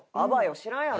知らんやろ？